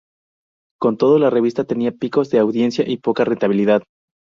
Con todo, la revista tenía picos de audiencia y poca rentabilidad.